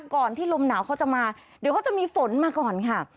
ก่อนที่ลมหนาวเขาจะมาเดี๋ยวเขาจะมีฝนมาก่อนค่ะ